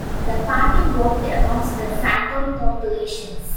The party worked amongst the Santhal populations.